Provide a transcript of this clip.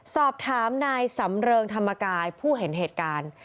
สอบถามนายสำเริงธรรมกายผู้เห็นเหตุการณ์